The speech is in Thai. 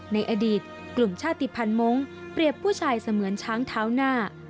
ในอดีตกลุ่มชาติภัณฑ์มงค์เปรียบผู้ชายเสมือนช้างเท้าหน้า